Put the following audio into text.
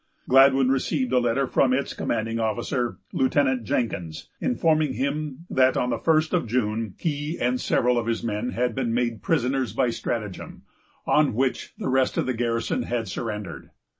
Gladwyn received a letter from its commanding officer, Lieutenant Jenkins, informing him that, on the first of June, he and several of his men had been made prisoners by stratagem, on which the rest of the garrison had surrendered.